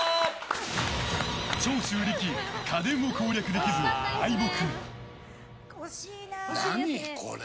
長州力、家電を攻略できず敗北。